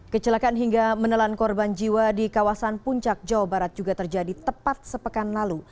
kecelakaan hingga menelan korban jiwa di kawasan puncak jawa barat juga terjadi tepat sepekan lalu